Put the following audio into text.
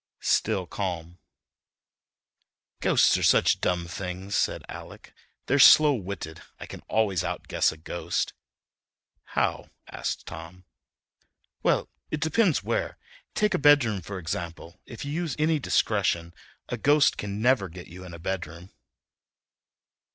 STILL CALM "Ghosts are such dumb things," said Alec, "they're slow witted. I can always outguess a ghost." "How?" asked Tom. "Well, it depends where. Take a bedroom, for example. If you use any discretion a ghost can never get you in a bedroom."